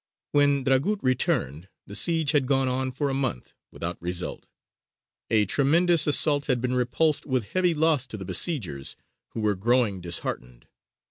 When Dragut returned, the siege had gone on for a month, without result; a tremendous assault had been repulsed with heavy loss to the besiegers, who were growing disheartened.